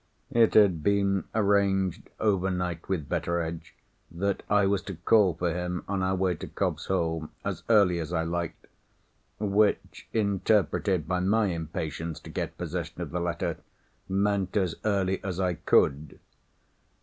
It had been arranged over night with Betteredge, that I was to call for him, on our way to Cobb's Hole, as early as I liked—which, interpreted by my impatience to get possession of the letter, meant as early as I could.